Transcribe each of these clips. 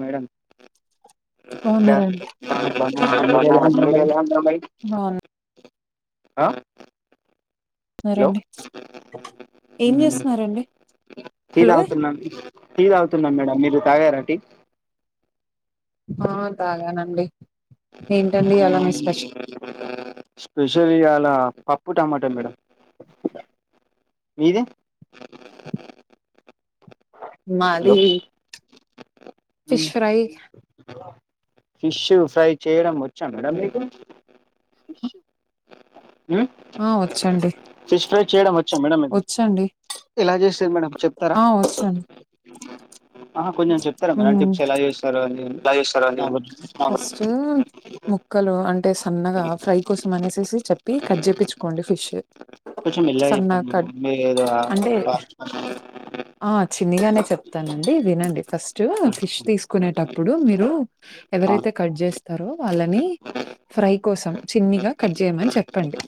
Madam మీరెలా ఉన్నారు [unintelligible] అ ఎవరండి ఏం చేస్తున్నారండి. టీ తాగుతున్నాం టీ తాగుతున్నాం మేడం. మీరు తాగార టీ ఆహ్ తాగానండి ఏంటండి ఇయాల మీ స్పెష్ స్పెషల్ ఇయాల పప్పు టమాటా మేడం మీది మాది ఫిష్ ఫ్రై ఫిష్ ఫ్రై చేయడం వచ్చా మేడం మీకు మ్ ఫిష్ ఫ్రై చేయడం వచ్చా మేడం మి ఎలా చేస్తది మేడం చెప్తారా ఆ కొంచెం చెప్తారా మేడం టిప్స్ ఎలా చేస్తారు అని ఎలా చేస్తారండీ. ఫస్ట్ ఉ ముక్కలు అంటే సన్నగా ఫ్రై కోసం అనేసెసి చెప్పి కట్ జెపిచ్చుకోండి ఫిష్ కొంచెం మెల్లగ చెప్పండి మేడం [inaudible] చిన్నిగానే చెప్తానండి వినండి ఫస్టు ఫిష్ తీసుకునేటప్ ప్పుడు మీరు ఎవరైతే కడ్ చేస్తారో వాళ్ళని ఫ్రై కోసం చిన్నిగా కట్ చెయమని చెప్పండి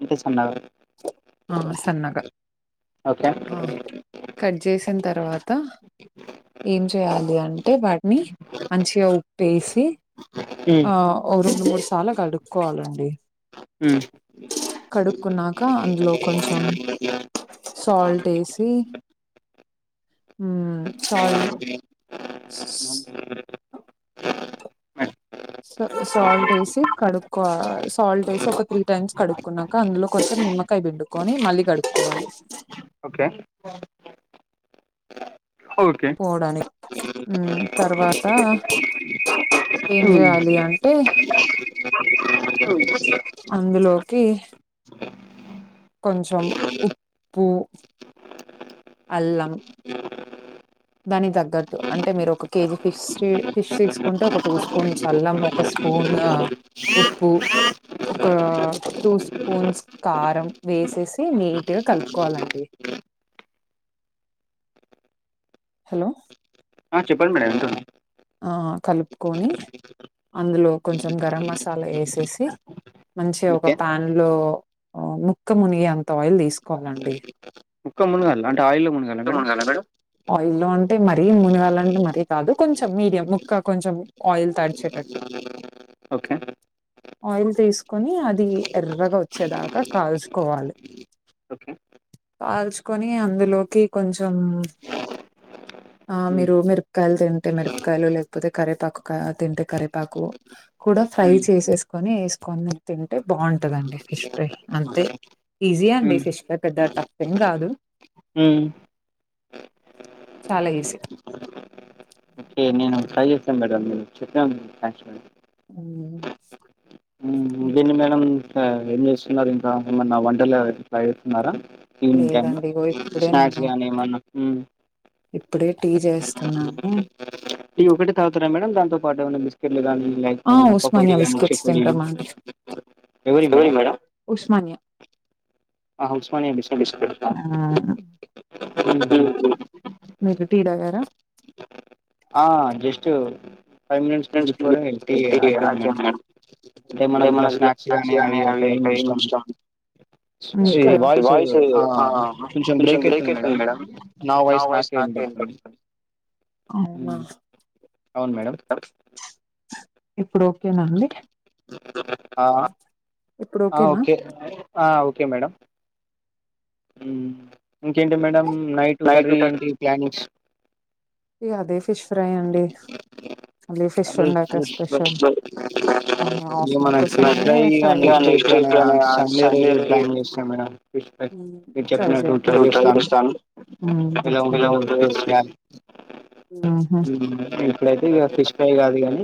ఇంతే సన్నగా ఆ సన్నగ ఓకే పోన్ తర్వాత ఏం చేయాలి అన్ టె వాటిని మంచిగా ఉప్పేసి అ ఒ రెండు ముడు తాలా కడుక్కోవాలండి. మ్ కడుక్కున్నాక అందులో కొంచెం సాల్టేసి మ్ సాల్ స సాల్టేసి కడుక్కొ వ సాల్టేసి ఒక త్రీ టైమ్స్ కడుక్కున్నాక అందులో కోత్తిమి నిమ్మకాయ బిండుకొని మళ్ళీ గడుక్కొకోవాలి. ఒకె పోవడానిక్ మ్ తర్వాత ఏం జేయాలి అంటే అందులోకి కొంచెం ఉప్పూ అల్లం దానికి తగ్గట్టు అంటే మీరు ఒక కేజీ ఫిష్స్ ఫిష్ తీసుకుంటే ఒక టూ స్పూన్ సల్లం ఒక స్ పూన్ ఉప్పు ఒక అ టూ స్పూన్స్ కారం వేసేసి నీట్ గా కలుపుకోవాలండి. హలొ అహ్ చెప్పండి మేడం వింటున్ ఆ కలుపుకొని అందులో కొంచెం గరం మసాలా ఎసేసి మంచిగ ఒక ప్యాన్ లో ముక్క మునిగే అంత ఆయిల్ తీసుకోవాలండి. ముక్క మునగాల అంటే ఆయిల్లో మునగాల మేడం ఆయిల్లో అంటే మరీ మునగాళ్లంటే మరీ కాదు. కొంచెం మీడియం ముక్క కొంచెం ఆయిల్ తడిచేటట్ ఒకె ఆయిల్ తీసుకొని అది ఎర్రగా ఒచ్చేదాకా కాల్చుకోవాలి. కాల్చుకొని అందులోకి కొంచెం ఆ మీరు మిరపకాయలు తింటే మిరపకాయలు, లేకపోతే కరేపాకు క తింటే కరేపాకు కూడా ఫ్రై చేసేసుకొని ఎసుకొని తింటే బావుంటదండి ఫిష్ ఫ్రై అంతే. ఈజీయే అండి ఫిష్ ఫ్రై పెద్ద టఫెమ్ గాదు. చాలా ఈజి కె నేను కాల్ చేస్తాను మేడం చెప్పాను థ్యాంక్స్ మే ఉమ్ దీన్ని మేడం ఇంక ఏం చేస్తున్నారు ఇంకా ఏమన్నా వంటలా ట్రై చేస్తున్నారా? ఈవినింగ్ టైమ్ లో స్నాక్స్ గానీ ఏమన్నా ఉమ్ ఇప్పుడే టీ చేస్తున్నాను. టీ ఒకటె తాగుతర మేడం దాంతో పాటు ఏమన్నా బిస్కెట్? [unintelligible] ఎవరి మేడం ఉస్మానియ బిస్కట్లు కావాలా అవును ఉమ్ మీకు టీ డాగారా ఆ just five minutes before tea అడిగారు మేడం. టె మనకు ఇట్లా స్నాక్స్ గాని అవి ఏం ఉంచరా? ఈ వయిస్ ఆ కొంచం బ్రేక్ అయితుంది మేడం నా వయస్ నాకే వినపడదు కానీ అవునా అవును మేడం ఇప్పుడు ఓకేనండి. ఆ ఆ ఓకే ఆ ఓకే మేడం ఉమ్ ఇంకేంటి మేడం నైట్ కర్రీ ఏంటి ప్లానింగ్స్? ఇగ అదే ఫిష్ ఫ్రై అండి. అదే ఫిష్ ఫ్రై ఇక మన ఫిష్ ఫ్రై ఇక నెక్స్ట్ ఏప్రిల్ అనేగా సండే రోజు ప్లాన్ చేస్తాం మేడం మీరు చెప్పినట్టు ట్రై చేస్తాను. ఇలా ఉంటంది ఫిష్ బ్యాగ్ ఇప్పుడైతే ఇగ ఫిష్ టాయి కాదు కానీ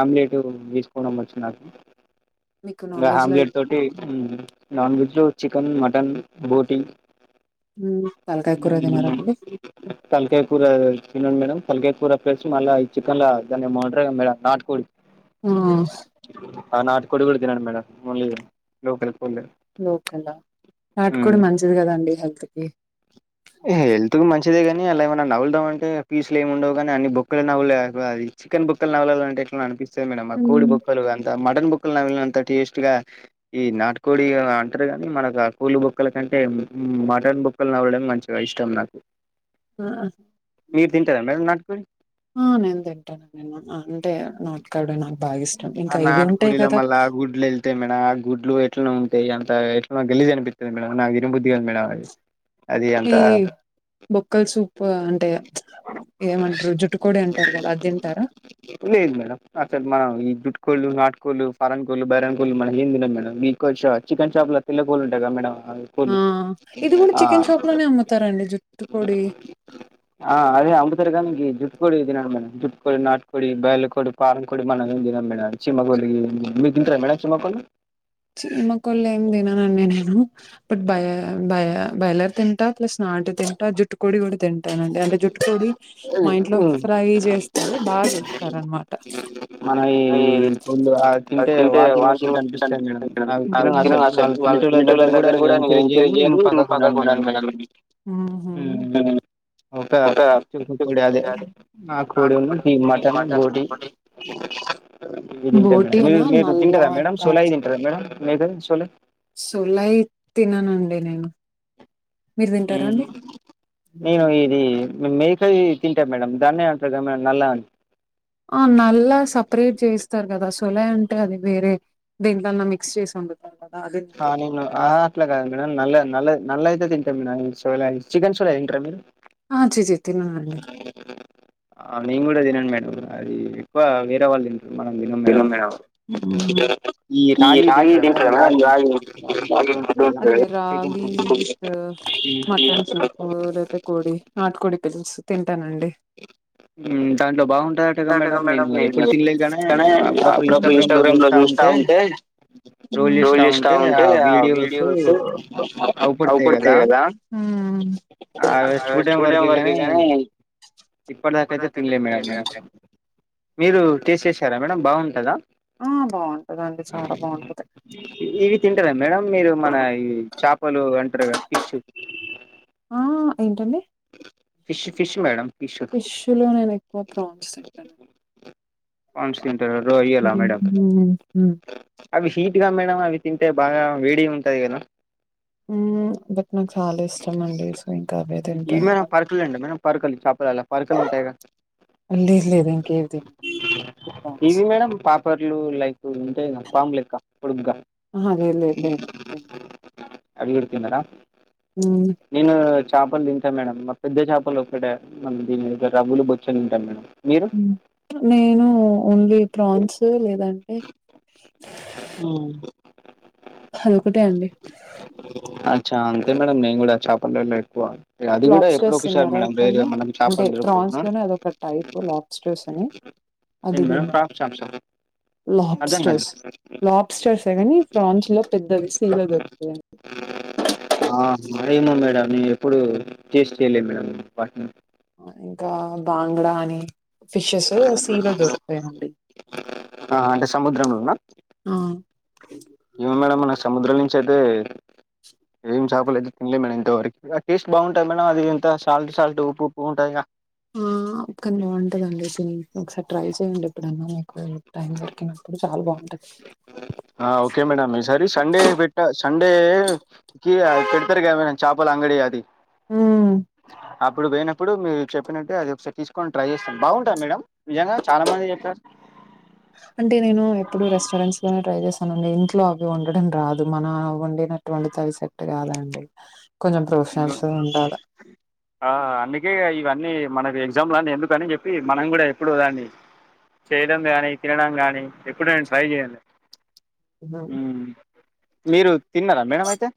ఆమ్లెట్ తీసుకోవడం వచ్చునాకు ఇంకా ఆమ్లెట్ తోటి మ్ నాన్ వెజ్ లో చికెన్, మటన్, బోటి మ్ ఊమ్ తల్కాయకూర అది తినండి మేడం. తల్కయకూర ప్లస్ మళ్ళ ఈ చికెన్ లా దాన్ని ఏమో అంటరు కా మేడం నాటుకోడి ఆ అ నాటుకోడి కూడ తినడు మేడం ఓన్లీ లోకల్ లోకలా నాటుకోడి మంచిది కదండి హెల్త్ కి. హెల్త్ కు మంచిదే కాని అలా ఏమైనా నవులుదాము అంటే ఫీసులు ఏమి ఉండవుగాని, అన్ని బొక్కలు నవులుడె చికెన్ బొక్కలు నవ్లాలంటే ఎట్లానో అనిపి సేమ్ మేడం ఆ కోడి బొక్కలు అంత మటన్ బొ క్కలు నవిల్నంత టేస్ట్ గా ఈ నాటుకోడి ఇక అంటారుగాని, మన పూలుగు బొక్కల కంటే మ్ మటన్ బొక్కలు నవలడం మంచిగా ఇష్టం నాకు. మీరు తింటారా మేడం నాటుకోడి? ఆ నేను తింటాను. నేన అంటే నాటుకోడి నాకు బాగా ఇష్టం ఇంకా ఇవి ఉంటాయి కదా. గుడ్లు వెళ్తాయి మేడం ఆ గుడ్లు ఎట్లానో అంత ఎట్లనో గలీజ్ అనిపిస్తది. మేడం నాకు తినబుద్దిగాదు మేడం అది అది ఈ బొక్కల సూపు అంటే ప్చ్ ఏమంటరు జుట్టుకోడి అంటారు కదా అది తింటారా? లేదు మేడమ్ అసలు మనం ఈ జుట్ కోళ్ళు, నాటు కోళ్లు, ఫారెన్ కోళ్లు, బైరన్ కోళ్లు మన ఏం తినం మేడం చికెన్షాప్లో తెల్ల కోళ్లు ఉంటయి కద మేడం. అవి కొన్ ఆ ఆ అదే అమ్ముతరుకని జుట్టుకోడి తినను. మేడం జుట్టుకోడి, నాటుకోడి, బయలరుకోడి పారంకోడి మనం ఏం తినం. మేడమ్ చిమ్మగోలి మీరు తింటర మేడమ్ చిమ్మగోలి చిమ్మకొళ్లు ఏం తిననండి నేను పట్ భయ భయా బయలర్ తింటా ప్లస్ నాటు తింటా జుట్టుకోడి కూడా తిం అంటేనంటే అంటే జుట్టుకోడి మా ఇంట్లో ఫ్రై చేస్తే బా చేతర్ అనమాట. మనం ఈ కొండ్ అ తింటే వాన్ టింగ్ ఒచ్చినట్టు అనిపిస్తది. మేడం అ తినను అసల్ వాల్ తినేటోల దగ్గర కూడా నేను ఎంకరేజ్ చేయను, నేను పక్కకుండను మేడం. ఉ హు ఒక చుకు కోడి అదే మా కోడి ఏమో ఈ మటన్ బోటి ఇవి తింటా మేడం మీరు మీరు తింటారా మేడం సోలయి తింటారా మేడం మీరు సొల సోలయి తిననండి నేను హ్మ్ నేను ఇది మేం మేకది తింటాం మేడం దానె అంటారు కదా మేడం నల్ల అని ఆ నల్ల సపరేట్ చేస్తారు కదా స్ సోలయి అంటే అది వేరే దీంట్లోన్నా మిక్స్ చేసి ఉండదు ఆ నేను ఆ అట్లకాదు మేడం నలే నలే నల్లాయి తో తింటాం మేడం సొలయి చికన్ సొలయి తింటారా మీరు ఆ చి చి ఆ నేను కూడా తినన్ మేడం అది ఎక్కువ వేరే వాళ్ళు తిన్ ఏమో మేడం ఈ రాగి తింటారా మేడం రాగి మటన్ చుకు లేకపోతే కోడి నాటు కోడి పుల్సు తింటానండి కాని అప్పుడప్పుడు ఇన్స్టాగ్రామ్ లో చూస్తా ఉంటే రోల్ చేస్తా ఉంటే ఆ వీడియోస్ అవ్ పడతాయి కదా అ చూడం వరకే కానీ ఇప్పటి దాకా అయితే తిన్లేద్ మేడం సరా మేడమ్ బాగుంటదా ఆ బా ఉంటదండి చాలా బా ఉంటది ఇ ఇవి తింటారా మేడం మీరు మన ఈ చేపలు అంటారు కద ఫిష్ ఆ ఏంటండి ఫిష్ ఫిష్ మేడం ఫిషుల్లో నేను ఎక్కువ ప్రాన్స్ తింటాను పాన్స్ తింటారా రొయ్యల మేడం అవి హీట్ గా మేడం అవి తింటే బాగా వేడిగా ఉంటది కదా హ్మ్ బట్ నాకు చాలా ఇష్టం అండి సో ఇంకా అవే తిన్ ఇవేమన పర్కుల్ అంత మేడం పర్కుల్ చపాలాల పర్కుల్ ఉంటాయి గా లేద్ లేద్ ఇంకేవి తిన్ను ఓన్లీ ఫ్రాన్స్ ప్యాపర్లు లైక్ ఉంటాయి కదా పామ్ లెక్క అహ లేద్ లేద్ లేద్ తిన్ను అది కుడా తినరా నేను చాపల్ తిన్ తింట మేడం మా పెద్ద చపాల్ ఒకటే మనం దీని మీద రవ్వులు బొచ్చన్ తింటాం మేడం నేను ఓన్లీ ప్రాన్స్ లేదంటే అచ్చా అంతే మేడం నేను కూడా చాపలలో ఎక్కువ అది కూడా ఎప్పుడో ఒకసారి మేడం రేర్ గా మనకు చాపలు దోర్కవ్ ఎంది మేడం ఫ్రాగ్ సాక్సా ల్యాబ్‌స్టర్స్ ల్యాబ్‌స్టర్స్ గని ఫ్రాంచ్ లో పెద్దవి సీలో దొరక్కుతాది ఆ మరేమో మేడం నేను ఎప్పుడు టేస్ట్ చేయాలె మేడం వాటిని ఇంకా బాంగ్డా అనే ఫిషెస్ సీలో దొరక్కుతాయండి ఆ అంటే సముద్రంలోనా ఏమో మేడం మన సముద్రం నుంచి అయితే ఏం చాపలు అయితే తినలే మేడం ఇంతవరకు టేస్ట్ బావుంటయి మేడం అది ఇంత సాల్ట్ సాల్ట్ ఉప్పు ఉప్పు ఉంటాయి గా ఉమ్ కానీ బావుంటదండి ఒకసారి ట్రై చేయండి ఇప్పుడన్నా మీకు టైం దొరికినప్పుడు చాలా బావుం ఆ ఓకే మేడం ఈ సారి సండే పెట్ట సండే కీ పెడతారు కదా చాపలు అంగడి అది అప్పుడు పోయినప్పుడు మీరు చెప్పినట్టే అది ఒకసారి తీసుకొని ట్రై చేస్తాం. బావుంటాయి ఆ మేడం నిజంగా చాలా మంది చెప్పారు. అంటే నేను ఎప్పుడు రెస్టారెంట్స్ లోనే ట్రై చేశా మనం ఇంట్లో అవి వండడం రాదు. మన వండినటువంటితే సెట్టు కాదండి. ఆ అందుకే ఇవ అన్ని మనకు ఎగ్జామ్లు అని ఎందుకు అని చెప్పి మనం కూడా ఎప్పుడు దాన్ని చేయడం కానీ, తినడం గానీ, ఎప్పుడ నేను ట్రై చేయండి. ఉమ్ మీరు తిన్నారా మేడం అయితే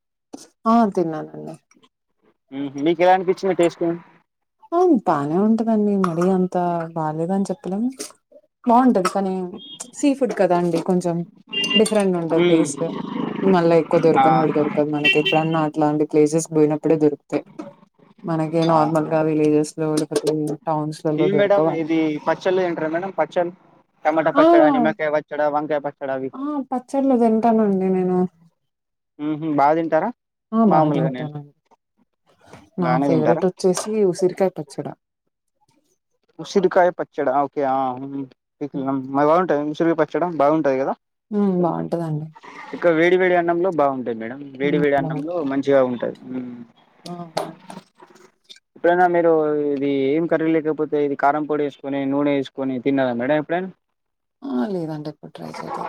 ఆ తిన్నన్ అండి మీకు ఎలా అనిపించింది టేస్ట్ ఆవును బానే ఉంటదండి. మరి అంత బాలేదు అని చెప్పలేం బావుంటది. కానీ సీ ఫుడ్ కదా అండి. కొంచెం డిఫరెంట్ ఉంటది టేస్ట్. మళ్ళ ఎక్కువ దొరకని కూడా దొరకదు మనకి ఎప్పుడన్నా అట్లాంటి ప్లేసెస్ పోయినప్పుడే దొరుకుతాయి మనకే నార్మల్ టేస్ట్ లో కూడా అది ఇవి మేడం ఇది పచ్చళ్లు తింటారా మేడం పచ్చళ్లు టమాటా పచ్చ్డా, ఆ నిమ్మకాయ పచ్చ్డా ఆ వంకాయ పచ్చ్డా అవి ఉమ్హు బాగా తింటారా మామూలుగానేనా నా ఫేవరెట్ వచ్చేసి ఉసిరికాయ పచ్చడి ఉసిరికాయ పచ్చడ ఓకే ఆ బావుంటాయి. ఉసిరికాయ పచ్చడి బావుంటాయి కదా. ఇంకా వేడి వేడి అన్నంలో బావుంటాయి మేడం. వేడి వేడి అన్నంలో మంచిగాఉంటది. ఆ ఎప్పుడైనా మీరు ఇది ఏం కరీలేకపోతే ఇది కారం పొడి ఏసుకొని, నూనె వేసుకొని తిన్నారా మేడం ఎప్పుడైనా. ఆ లేదండి ఎప్పుడు ట్రై చేదు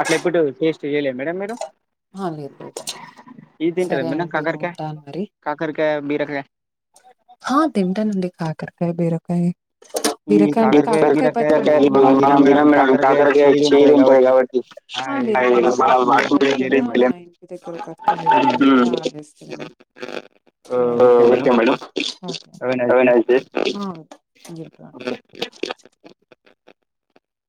అట్ల ఎప్పుడు టేస్ట్ చేయలే మేడం మీరు అ లేదు లేదు సరే అంటి ఉంటాను మరి ఆ తింటానండి కాకరకాయ్ బీరకాయ్ మనం తినం మేడం కాకరకాయలు చేదు ఉంటాయి కాబట్టి [unintelligible] [unintelligible] ఆ okay madam have a nice day okay